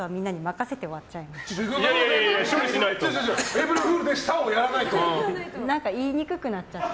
エイプリルフールでした、をやらないと。